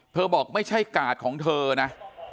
บอกไม่ใช่กาดของเธอนะ